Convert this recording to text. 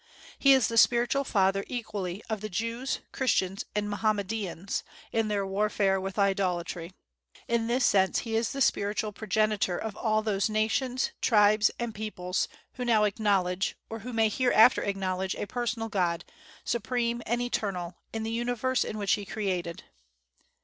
He is the spiritual father equally of Jews, Christians, and Mohammedans, in their warfare with idolatry. In this sense, he is the spiritual progenitor of all those nations, tribes, and peoples who now acknowledge, or who may hereafter acknowledge, a personal God, supreme and eternal in the universe which He created.